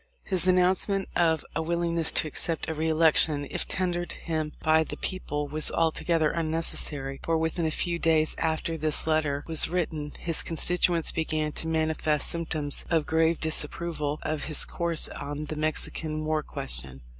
His announcement of a willingness to accept a re election if tendered him by the people was altogether unnecessary, for within a few days after this letter was written his constituents began to manifest symptoms of grave disapproval of his course on the Mexican war question.